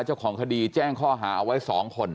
เจ้าของคดีแจ้งข้อหาเอาไว้๒คน